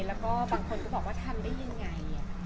แล้วก็บางคนก็บอกว่าทำได้ยังไง